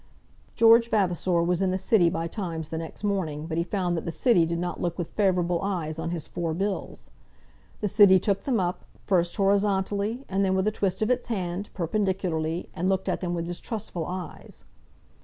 George Vavasor was in the City by times the next morning, but he found that the City did not look with favourable eyes on his four bills. The City took them up, first horizontally, and then, with a twist of its hand, perpendicularly, and looked at them with distrustful eyes.